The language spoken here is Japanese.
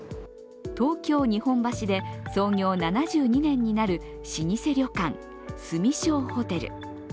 東京・日本橋で創業７２年になる老舗旅館、住庄ほてる。